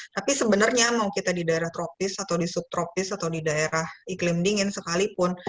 tapi sebenarnya mau kita di daerah tropis atau di subtropis atau di daerah iklim dingin sekalipun